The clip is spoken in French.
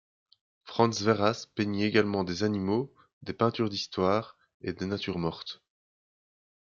Frans Verhas peignit également des animaux, des peintures d'histoire et des natures mortes.